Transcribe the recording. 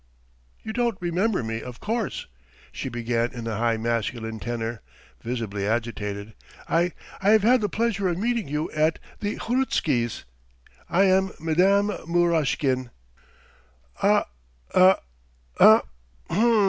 "You don't remember me, of course," she began in a high masculine tenor, visibly agitated. "I ... I have had the pleasure of meeting you at the Hrutskys. ... I am Mme. Murashkin. ..." "A. .. a ... a